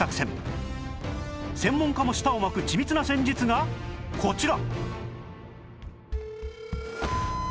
専門家も舌を巻く緻密な戦術がこちら